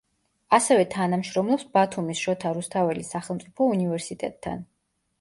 ასევე თანამშრომლობს ბათუმის შოთა რუსთაველის სახელმწიფო უნივერსიტეტთან.